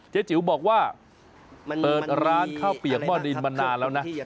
จิ๋วบอกว่าเปิดร้านข้าวเปียกหม้อดินมานานแล้วนะ